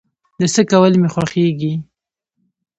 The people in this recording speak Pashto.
د څه کول مې خوښيږي؟